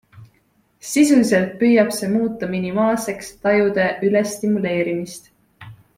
Sisuliselt püüab see muuta minimaalseks tajude ülestimuleerimist.